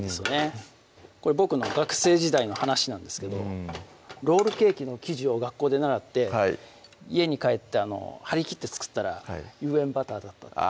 うんこれ僕の学生時代の話なんですけどロールケーキの生地を学校で習って家に帰って張りきって作ったら有塩バターだったっていう